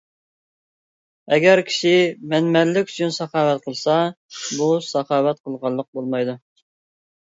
ئەگەر كىشى مەنمەنلىك ئۈچۈن ساخاۋەت قىلسا، بۇ ساخاۋەت قىلغانلىق بولمايدۇ.